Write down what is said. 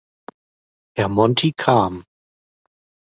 Herr Monti kam.